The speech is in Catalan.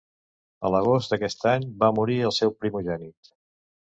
A l'agost d'aquest any, va morir el seu primogènit.